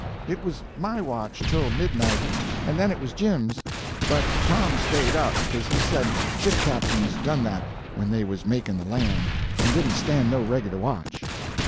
It was my watch till midnight, and then it was Jim's; but Tom stayed up, because he said ship captains done that when they was making the land, and didn't stand no regular watch.